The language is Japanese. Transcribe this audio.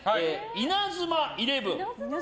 イナズマイレブン。